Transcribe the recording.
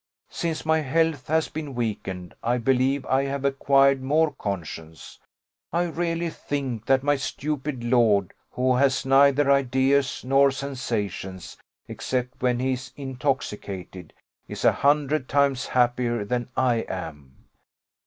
Since my health has been weakened, I believe I have acquired more conscience. I really think that my stupid lord, who has neither ideas nor sensations, except when he is intoxicated, is a hundred times happier than I am.